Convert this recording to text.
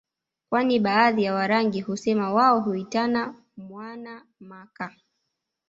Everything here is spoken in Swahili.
kwani baadhi ya Warangi husema wao huitana mwaana maka